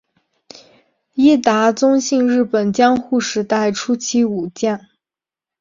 伊达宗信日本江户时代初期武将。